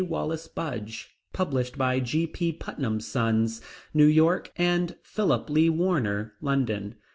Wallis Budge; published by G.P. Putnam's Sons, New York, and Philip Lee Warner, London.